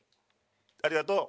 ありがとう。